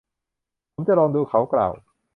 ผมจะลองดู เขากล่าว